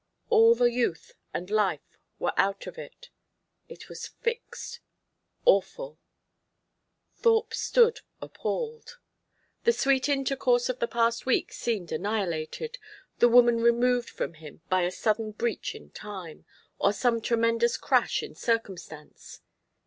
All the youth and life were out of it. It was fixed, awful. Thorpe stood appalled. The sweet intercourse of the past week seemed annihilated, the woman removed from him by a sudden breach in time, or some tremendous crash in Circumstance.